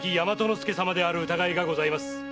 亮様である疑いがございます。